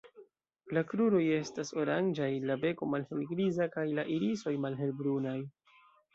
La kruroj estas oranĝaj, la beko malhelgriza kaj la irisoj malhelbrunaj.